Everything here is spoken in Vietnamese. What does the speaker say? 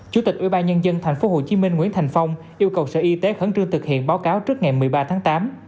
chủ tịch ủy ban nhân dân thành phố hồ chí minh nguyễn thành phong yêu cầu sở y tế khẩn trương thực hiện báo cáo trước ngày một mươi ba tháng tám